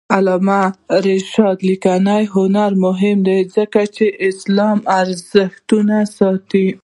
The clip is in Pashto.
د علامه رشاد لیکنی هنر مهم دی ځکه چې اسلامي ارزښتونه ساتي.